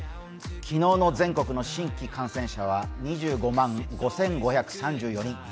昨日の全国の新規感染者は２２万５５３４人。